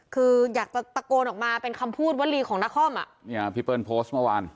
คืออยากจะตะโกนออกมาเป็นคำพูดวลีของนครอ่ะเนี่ยพี่เปิ้ลโพสต์เมื่อวาน